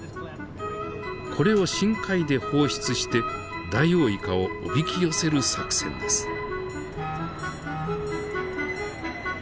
これを深海で放出してダイオウイカをおびき寄せる作戦です。